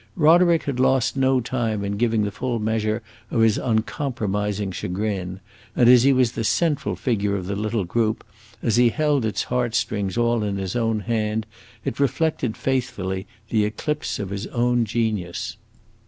Roderick had lost no time in giving the full measure of his uncompromising chagrin, and as he was the central figure of the little group, as he held its heart strings all in his own hand, it reflected faithfully the eclipse of his own genius.